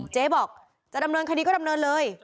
เจ๊บอกจะดำเนินคดีก็ดำเนินเลย